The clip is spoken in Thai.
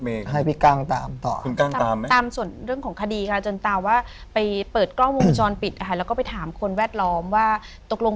มาถึงภัตรูผมก็บอกพี่กั้ง